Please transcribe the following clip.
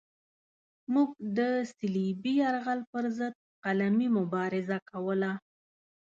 موږ د صلیبي یرغل پرضد قلمي مبارزه کوله.